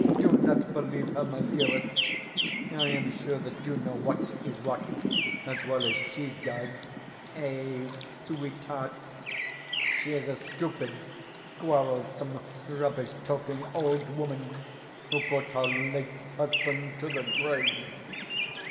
Do not believe her, my dearest. I am sure that you know what is what, as well as SHE does. Eh, sweetheart? She is a stupid, quarrelsome, rubbish talking old woman who brought her late husband to the grave.